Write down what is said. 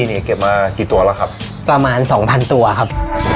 อันนี้คือน่าจะไม่เคยใส่มาก่อนด้วยครับ